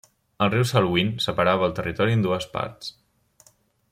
El riu Salween separava el territori en dues parts.